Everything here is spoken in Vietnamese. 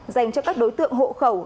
dành cho các đối tượng hộ khẩu